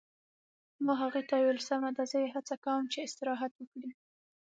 ما هغې ته وویل: سمه ده، زه یې هڅه کوم چې استراحت وکړي.